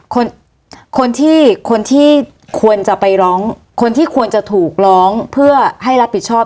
คนคนที่คนที่ควรจะไปร้องคนที่ควรจะถูกร้องเพื่อให้รับผิดชอบ